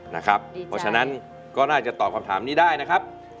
เพราะฉะนั้นก็น่าจะตอบคำถามนี้ได้นะครับ